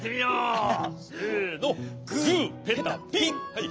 はい。